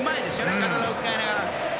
体を使いながら。